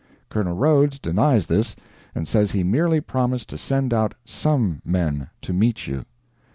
Colonel Rhodes denies this, and says he merely promised to send out "some" men "to meet you."